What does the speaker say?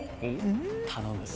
頼む。